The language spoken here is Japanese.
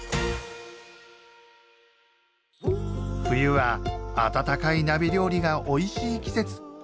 冬は温かい鍋料理がおいしい季節。